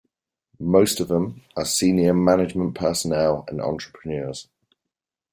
Most of them are senior management personnel and entrepreneurs.